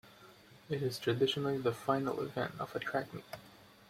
It is traditionally the final event of a track meet.